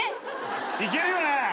いけるよな！